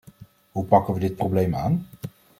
Hoe pakken we dit probleem aan?